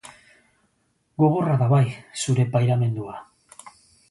Gogorra da, bai, zure pairamendua.